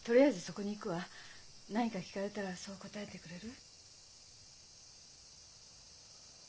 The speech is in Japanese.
何か聞かれたらそう答えてくれる？